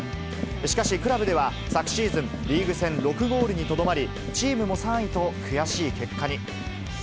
しかし、クラブでは昨シーズン、リーグ戦６ゴールにとどまり、チームも３位と悔しい結果に。